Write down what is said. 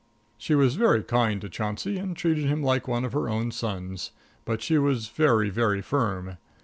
She was very kind to Chauncey, and treated him like one of her own sons; but she was very, very firm.